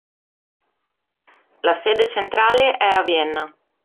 La sede centrale è a Vienna.